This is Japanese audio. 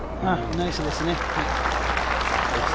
ナイスですね。